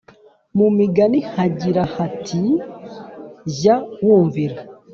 Mu Migani hagira hati Jya wumvira